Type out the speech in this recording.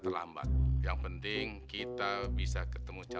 penumpang ketinggalan kereta